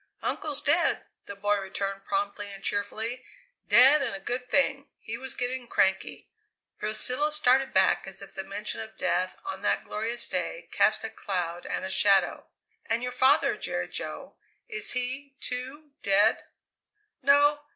"Uncle's dead," the boy returned promptly and cheerfully; "dead, and a good thing. He was getting cranky." Priscilla started back as if the mention of death on that glorious day cast a cloud and a shadow. "And your father, Jerry Jo, is he, too, dead?" "No.